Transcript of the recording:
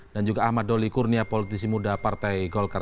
dan juga ahmad doli kurnia politisi muda partai golkar